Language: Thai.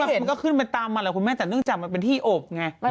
มันก็ขึ้นไปตามมันแหละคุณแม่แต่เนื่องจากมันเป็นที่อบไง